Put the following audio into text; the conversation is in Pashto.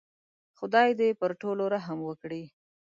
خدای دې پر ټولو رحم وکړي.